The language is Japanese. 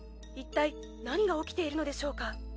いったい何が起きているのでしょうか。